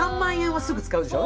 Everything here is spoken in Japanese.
すぐ使うでしょ。